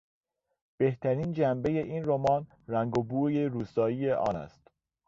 بهترین جنبهی این رمان رنگ و بوی روستایی آن است.